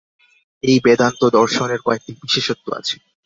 এই বেদান্ত-দর্শনের কয়েকটি বিশেষত্ব আছে।